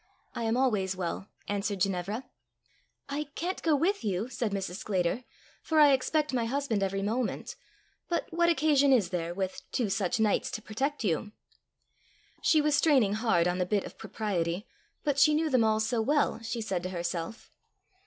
"I am always well," answered Ginevra. "I can't go with you," said Mrs. Sclater, "for I expect my husband every moment; but what occasion is there, with two such knights to protect you?" She was straining hard on the bit of propriety; but she knew them all so well! she said to herself.